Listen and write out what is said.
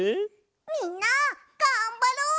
みんながんばろう！